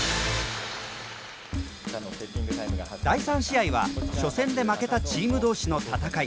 第３試合は初戦で負けたチーム同士の戦い。